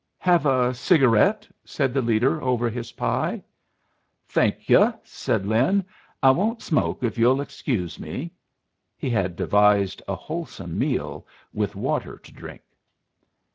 "Have a cigarette?" said the leader, over his pie. "Thank yu'," said Lin. "I won't smoke, if yu'll excuse me." He had devised a wholesome meal, with water to drink.